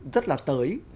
rất là tới